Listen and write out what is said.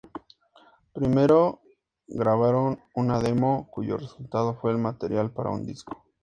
Primero grabaron una demo, cuyo resultado fue el material para un disco.